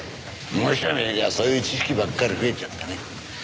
ムショにいりゃそういう知識ばっかり増えちゃってね。